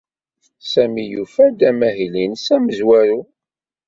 Sami yufa-d amahil-ines amezwaru.